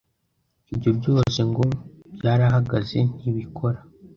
Ibyo byose ngo byarahagaze ntibikora